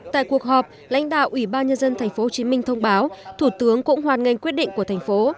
tại cuộc họp lãnh đạo ubnd tp hcm thông báo thủ tướng cũng hoạt ngành quyết định của thành phố